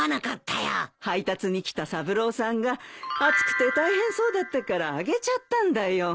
配達に来た三郎さんが暑くて大変そうだったからあげちゃったんだよ。